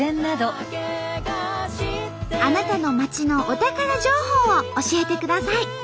あなたの町のお宝情報を教えてください。